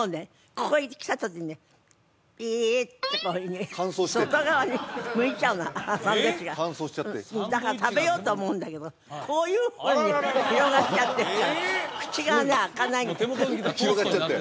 ここに来た時にねピーッてこういうふうに外側に向いちゃうのサンドイッチが乾燥しちゃってだから食べようと思うんだけどこういうふうに広がっちゃってるから口がね開かないんです広がっちゃって？